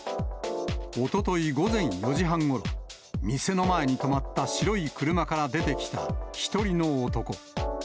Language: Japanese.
おととい午前４時半ごろ、店の前に止まった白い車から出てきた一人の男。